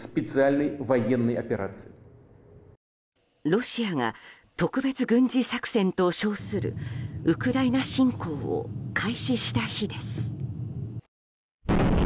ロシアが特別軍事作戦と称するウクライナ侵攻を開始した日です。